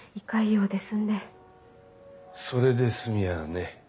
それで済みゃあね。